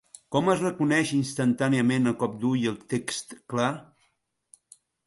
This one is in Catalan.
Com es reconeix instantàniament a cop d'ull el text clar?